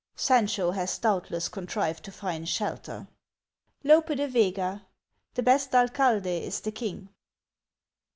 Sancho has doubtless contrived to find shelter. Lur E DE VEGA : The Best Alcalde is the. King.